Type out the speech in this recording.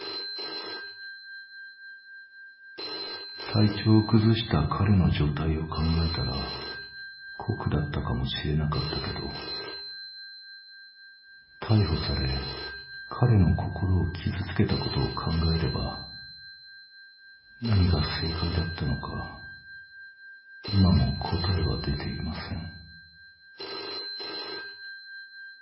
「体調を崩した彼の状態を考えたら酷だったかもしれなかったけど逮捕され彼の心を傷つけた事を考えれば何が正解だったのか今も答えはでていません」。